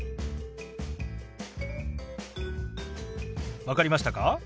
分かりましたか？